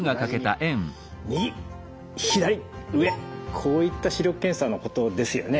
こういった視力検査のことですよね？